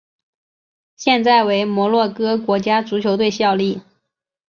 现在为摩洛哥国家足球队效力。